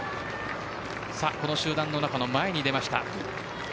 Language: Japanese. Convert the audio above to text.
この集団の前に出ました。